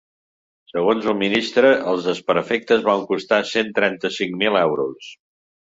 Segons el ministre, els desperfectes van costar cent trenta-cinc mil euros.